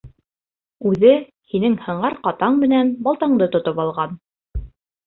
Үҙе һинең һыңар ҡатаң менән балтаңды тотоп алған.